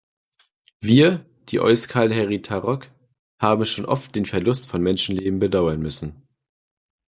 Wir, die Euskal Herritarrok, haben schon oft den Verlust von Menschenleben bedauern müssen.